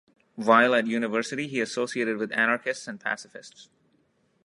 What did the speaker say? While at university, he associated with anarchists and pacifists.